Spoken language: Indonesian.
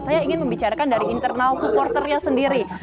saya ingin membicarakan dari internal supporternya sendiri